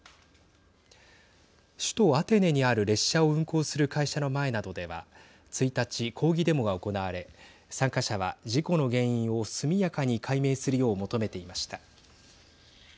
首都アテネにある列車を運行する会社の前などでは１日抗議デモが行われ、参加者は事故の原因を速やかに解明するよう求めていました。